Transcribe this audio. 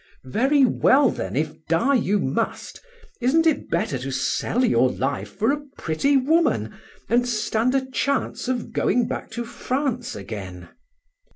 "Very well then, if die you must, isn't it better to sell your life for a pretty woman, and stand a chance of going back to France again?"